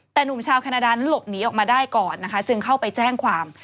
แต่หนุ่มชาวแคนาดานั้นหลบหนีออกมาได้ก่อนนะคะจึงเข้าไปแจ้งความ